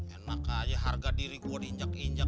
enak aja harga diri gue diinjak injak